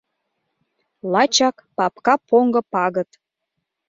Лачак папка поҥго пагыт.